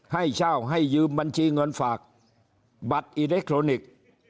ให้เช่าให้ยืมบัญชีเงินฝากบัตรอิเล็กทรอนิกส์